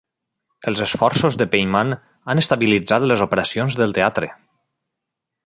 Els esforços de Peymann han estabilitzat les operacions del teatre.